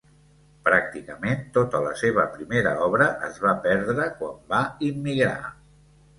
Pràcticament tota la seva primera obra es va perdre quan va immigrar.